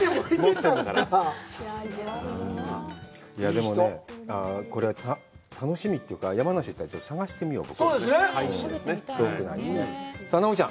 でも、これはね、楽しみというか、山梨に行ったら探してみよう。